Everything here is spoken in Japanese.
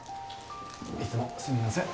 いつもすみません。